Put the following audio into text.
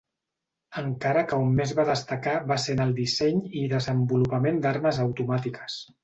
Encara que on més va destacar va ser en el disseny i desenvolupament d’armes automàtiques.